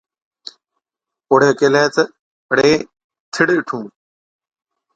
پوڙهَي ڪيهلَي تہ، ’اَڙي ٿِڙ اِٺُون،